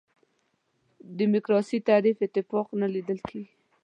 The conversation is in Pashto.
دیموکراسي تعریف اتفاق نه لیدل کېږي.